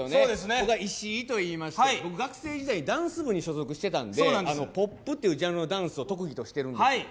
僕は石井といいまして、僕、学生時代ダンス部に所属してたんでポップというジャンルのダンスを得意としてるんです。